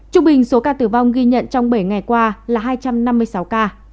trung bình số ca tử vong ghi nhận trong bảy ngày qua là hai trăm năm mươi sáu ca